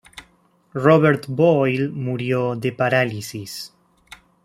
Robert Boyle murió de parálisis.